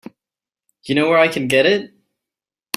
You know where I can get it?